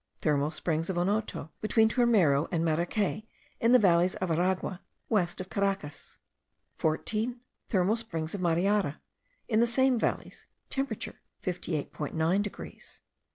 Thermal springs of Onoto, between Turmero and Maracay, in the valleys of Aragua, west of Caracas. 14. Thermal springs of Mariara, in the same valleys. Temperature 58.9 degrees.